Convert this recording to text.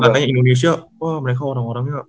makanya indonesia wah mereka orang orangnya